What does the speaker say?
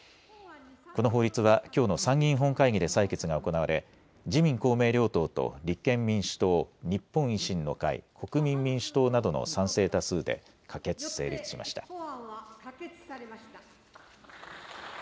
この法律はきょうの参議院本会議で採決が行われ自民公明両党と立憲民主党、日本維新の会、国民民主党などの賛成多数で可決・成立しました。